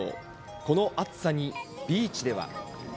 この暑さにビーチでは。